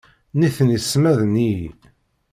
Nitni ssmaden-iyi.